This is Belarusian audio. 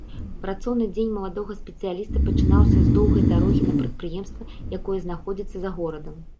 Працоўны дзень маладога спецыяліста пачынаўся з доўгай дарогі на прадпрыемства, якое знаходзіцца за горадам.